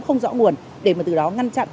không rõ nguồn để mà từ đó ngăn chặn